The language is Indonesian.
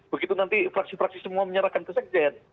begitu nanti fraksi fraksi semua menyerahkan ke sekjen